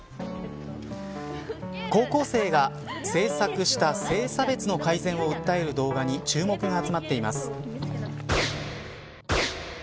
高校生が制作した性差別の改善を訴える動画に注目が集まっています。